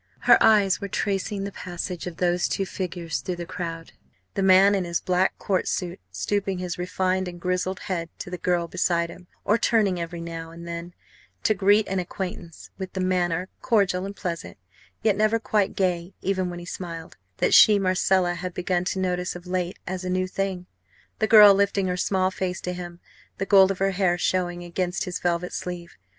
Her eyes were tracing the passage of those two figures through the crowd; the man in his black court suit, stooping his refined and grizzled head to the girl beside him, or turning every now and then to greet an acquaintance, with the manner cordial and pleasant, yet never quite gay even when he smiled that she, Marcella, had begun to notice of late as a new thing; the girl lifting her small face to him, the gold of her hair showing against his velvet sleeve.